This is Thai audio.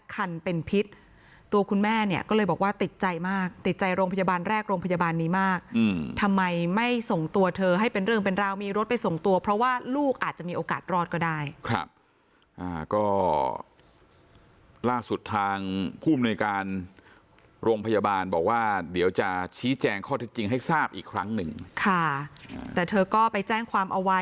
คันเป็นพิษตัวคุณแม่เนี่ยก็เลยบอกว่าติดใจมากติดใจโรงพยาบาลแรกโรงพยาบาลนี้มากทำไมไม่ส่งตัวเธอให้เป็นเรื่องเป็นราวมีรถไปส่งตัวเพราะว่าลูกอาจจะมีโอกาสรอดก็ได้ครับก็ล่าสุดทางผู้มนุยการโรงพยาบาลบอกว่าเดี๋ยวจะชี้แจงข้อเท็จจริงให้ทราบอีกครั้งหนึ่งค่ะแต่เธอก็ไปแจ้งความเอาไว้